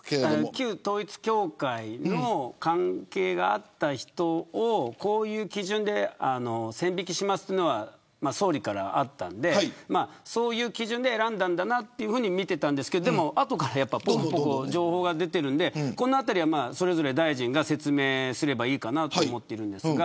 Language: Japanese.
旧統一教会の関係があった人をこういう基準で線引きしますというのは総理からあったのでそういう基準で選んだんだなと見ていましたが後からぽろぽろ情報が出ているのでこの辺りは大臣が説明すればいいと思っています。